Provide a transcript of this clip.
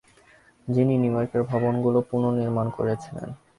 যিনি নিউইয়র্কের ভবনগুলো পুনর্নির্মাণ করেছিলেন?